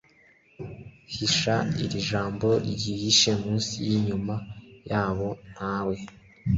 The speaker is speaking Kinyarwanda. hisha iri jambo ryihishe munsi yinyuma yabo ntawe